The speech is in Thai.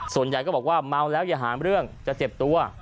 ส่วนใหญ่ก็บอกว่าเมาแล้วอย่าหาเรื่องจะเจ็บตัว